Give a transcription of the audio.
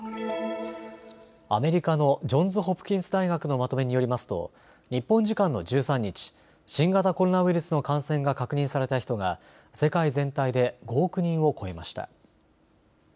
アメリカのジョンズ・ホプキンス大学のまとめによりますと日本時間の１３日、新型コロナウイルスの感染が確認された人が世界全体で５億人を超えました。